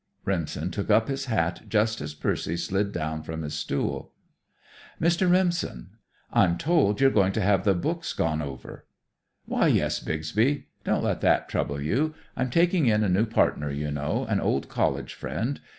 Remsen took up his hat just as Percy slid down from his stool. "Mr. Remsen, I'm told you're going to have the books gone over." "Why, yes, Bixby. Don't let that trouble you. I'm taking in a new partner, you know, an old college friend.